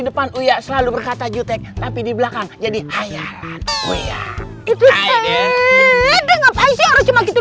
zaman uya selalu berkata jutek tapi di belakang jadi ayalan wea itu teh ngapain sih cuma gitu